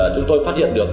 chúng tôi phát hiện được